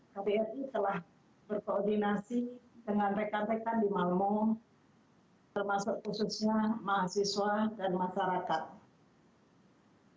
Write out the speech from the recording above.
kbri telah berkoordinasi dengan rekan rekan di malmo termasuk khususnya mahasiswa dan masyarakat